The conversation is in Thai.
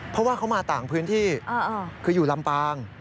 เพราะว่าเขามาต่างพื้นที่คืออยู่ลำปาง